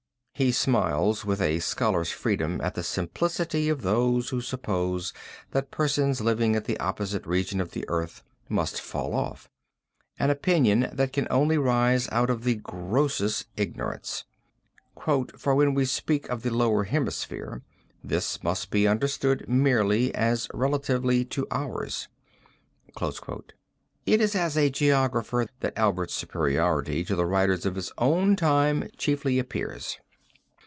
He smiles with a scholar's freedom at the simplicity of those who suppose that persons living at the opposite region of the earth must fall off, an opinion that can only rise out of the grossest ignorance, 'for when we speak of the lower hemisphere, this must be understood merely as relatively to ourselves.' It is as a geographer that Albert's superiority to the writers of his own time chiefly appears.